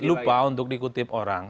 lupa untuk dikutip orang